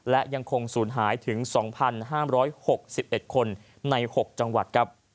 และยังคงสูญหายถึง๒๕๖๑คนใน๖จังหวัดครับ